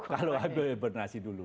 kalau harus hibernasi dulu